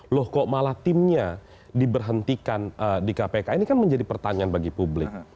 loh kok malah timnya diberhentikan di kpk ini kan menjadi pertanyaan bagi publik